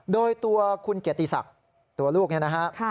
โดยตัวคุณเกียรติศักดิ์ตัวลูกเนี่ยนะฮะ